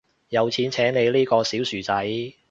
有錢請你呢個小薯仔